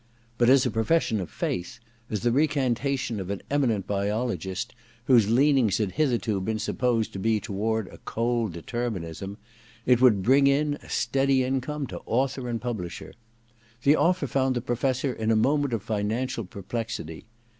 But as a profession of faith, as the recantation 19 20 THE DESCENT OF MAN in of an eminent biologist, whose leanings had hitherto been supposed to be toward a cold determinism, it would bring in a steady income to author and publisher. The offer found the Professor in a moment of financial perplexity.